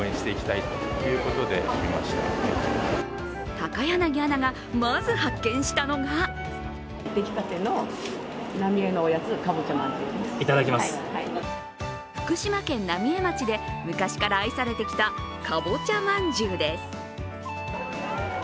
高柳アナがまず発見したのが福島県浪江町で昔から愛されてきた、かぼちゃまんじゅうです。